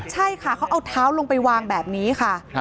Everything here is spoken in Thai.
ใช่ค่ะเขาเอาเท้าลงไปวางแบบนี้ค่ะ